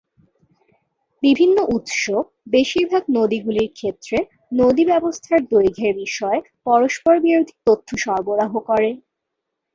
বিভিন্ন উৎস বেশিরভাগ নদীগুলির ক্ষেত্রে নদী ব্যবস্থার দৈর্ঘ্যের বিষয়ে পরস্পরবিরোধী তথ্য সরবরাহ করে।